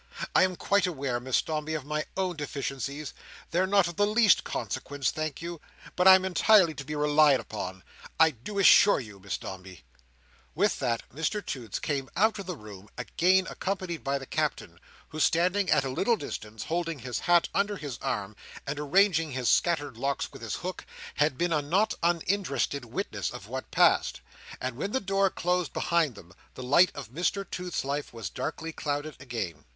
I am quite aware, Miss Dombey, of my own deficiencies—they're not of the least consequence, thank you—but I am entirely to be relied upon, I do assure you, Miss Dombey." With that Mr Toots came out of the room, again accompanied by the Captain, who, standing at a little distance, holding his hat under his arm and arranging his scattered locks with his hook, had been a not uninterested witness of what passed. And when the door closed behind them, the light of Mr Toots's life was darkly clouded again.